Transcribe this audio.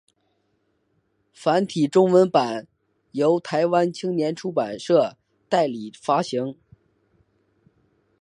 繁体中文版本由台湾青文出版社代理发行。